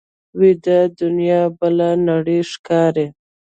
ویده دنیا بله نړۍ ښکاري